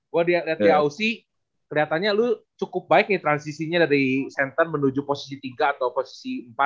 gue liat di aoc keliatannya lu cukup baik nih transisinya dari center menuju posisi tiga atau posisi empat